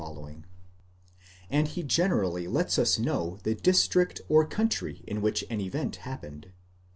τό ἢ) ; and he generally lets us know the district or country in which an event hap pened.